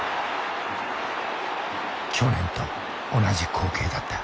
去年と同じ光景だった。